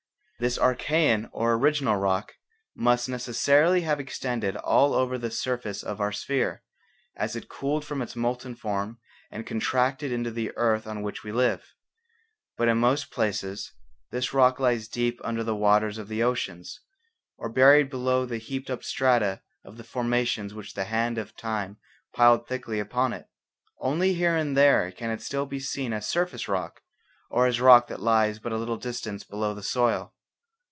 This Archaean or original rock must necessarily have extended all over the surface of our sphere as it cooled from its molten form and contracted into the earth on which we live. But in most places this rock lies deep under the waters of the oceans, or buried below the heaped up strata of the formations which the hand of time piled thickly upon it. Only here and there can it still be seen as surface rock or as rock that lies but a little distance below the soil.